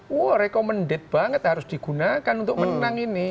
wah recommended banget harus digunakan untuk menang ini